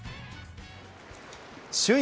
首位